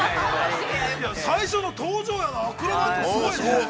最初の登場が、アクロバット、すごいね。